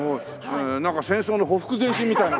なんか戦争の匍匐前進みたいな。